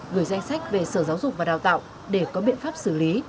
gửi danh sách về sở giáo dục và đào tạo để có biện pháp xử lý